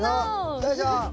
よいしょ！